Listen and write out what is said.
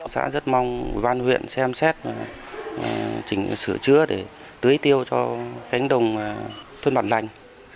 xã rất mong bàn huyện xem xét chỉnh sửa chứa để tưới tiêu cho cánh đồng thuân mặt lành